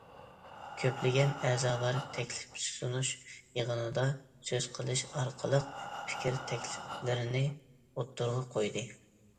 كۆپلىگەن ئەزالار تەكلىپ سۇنۇش، يىغىندا سۆز قىلىش ئارقىلىق پىكىر تەكلىپلىرىنى ئوتتۇرىغا قويدى.